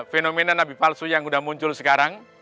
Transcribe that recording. fenomena nabi palsu yang sudah muncul sekarang